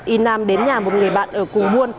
y nam đến nhà một người bạn ở cùng buôn